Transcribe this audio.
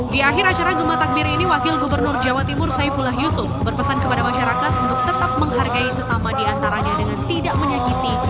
di akhir acara gemah takbir ini wakil gubernur jawa timur saifullah yusuf berpesan kepada masyarakat untuk tetap menghargai sesama diantaranya dengan tidak menyakiti